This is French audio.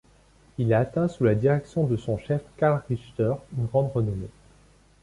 Il a atteint sous la direction de son chef Karl Richter une grande renommée.